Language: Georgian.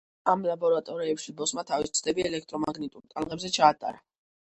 ამ ლაბორატორიებში ბოსმა თავისი ცდები ელექტრომაგნიტურ ტალღებზე ჩაატარა.